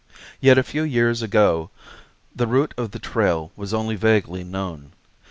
Yet a few years' ago the route of the trail was only vaguely known.